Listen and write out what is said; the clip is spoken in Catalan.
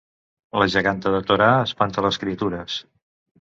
La geganta de Torà espanta les criatures